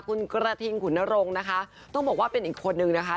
คุณกระทิงขุนนรงค์นะคะต้องบอกว่าเป็นอีกคนนึงนะคะ